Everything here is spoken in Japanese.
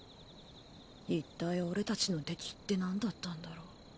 いったい俺たちの敵って何だったんだろう。